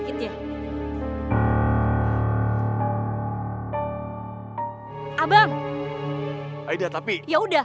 kita buang dia ke laut